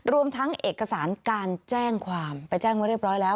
รวมทั้งเอกสารการแจ้งความไปแจ้งไว้เรียบร้อยแล้ว